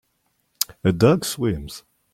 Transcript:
A dog swims.